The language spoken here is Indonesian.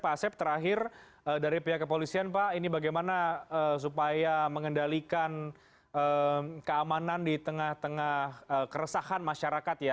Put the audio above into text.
pak asep terakhir dari pihak kepolisian pak ini bagaimana supaya mengendalikan keamanan di tengah tengah keresahan masyarakat ya